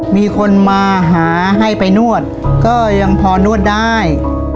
มีคนมาหาให้ไปนวดก็ยังพอนวดได้